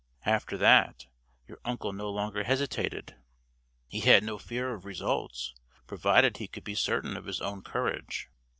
After that, your uncle no longer hesitated. He had no fear of results, provided he could be certain of his own courage.